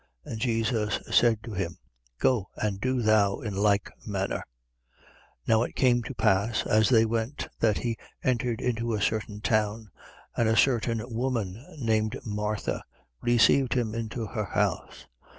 And Jesus said to him: Go, and do thou in like manner. 10:38. Now it came to pass, as they went, that he entered into a certain town: and a certain woman named Martha received him into her house.